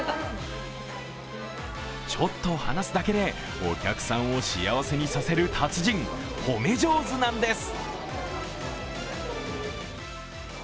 ちょっと話すだけでお客さんを幸せにさせる達人、褒め上手なんです